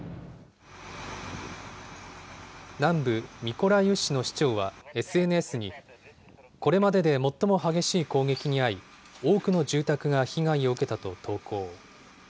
南部ミコライウ市の市長はＳＮＳに、これまでで最も激しい攻撃に遭い、多くの住宅が被害を受けたと投稿。